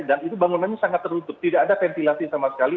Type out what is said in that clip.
dan itu bangunannya sangat terutup tidak ada ventilasi sama sekali